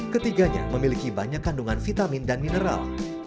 ketiganya memiliki banyak kandungan vitamin dan mineral